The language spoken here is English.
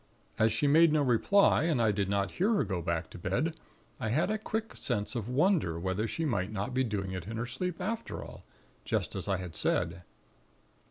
As she made no reply, and I did not hear her go back to bed, I had a quick sense of wonder whether she might not be doing it in her sleep, after all, just as I had said.